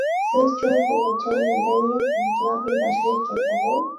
-سىز چوڭ بولغۇچە «مەدەنىيەت ئىنقىلابى» باشلىنىپ كەتتىغۇ!